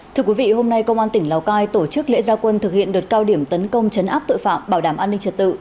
thưa quý vị hôm nay công an tỉnh lào cai tổ chức lễ gia quân thực hiện đợt cao điểm tấn công chấn áp tội phạm bảo đảm an ninh trật tự